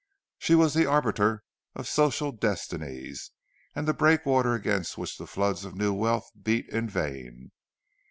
She was the arbiter of social destinies, and the breakwater against which the floods of new wealth beat in vain.